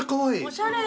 おしゃれ。